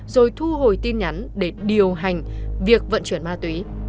rồi thu hồi tin nhắn để điều hành việc vận chuyển ma túy